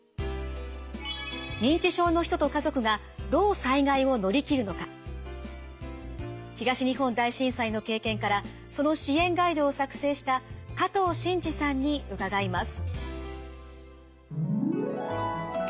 認知症の人と家族がどう災害を乗り切るのか東日本大震災の経験からその支援ガイドを作成した加藤伸司さんに伺います。